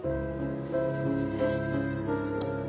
えっ？